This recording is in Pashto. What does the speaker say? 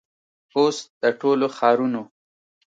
او س د ټولو ښارونو